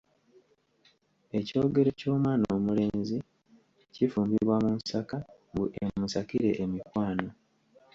Ekyogero ky’omwana omulenzi kifumbibwa mu nsaka mbu emusakire emikwano.